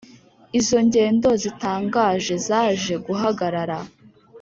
Izo ngendo zitangaje zaje guhagarara.